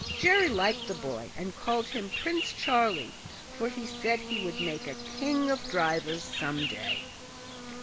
Jerry liked the boy, and called him "Prince Charlie", for he said he would make a king of drivers some day.